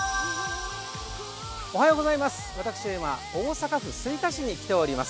私、今大阪府吹田市に来ています。